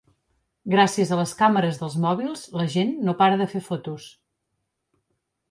Gràcies a les càmeres dels mòbils la gent no para de fer fotos.